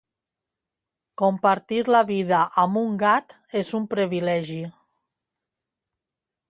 Compartir la vida amb un gat és un privilegi.